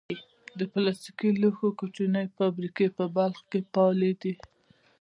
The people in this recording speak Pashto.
د پلاستیکي لوښو کوچنۍ فابریکې په بلخ کې فعالې دي.